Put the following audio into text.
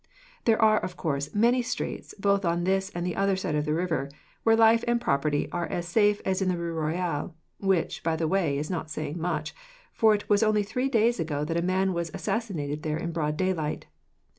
There are, of course, many streets, both on this and the other side of the river, where life and property are as safe as in the Rue Royal; which, by the way, is not saying much, for it was only three days ago that a man was assassinated there in broad daylight.